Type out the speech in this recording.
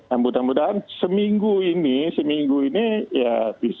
semoga moga seminggu ini seminggu ini ya bisa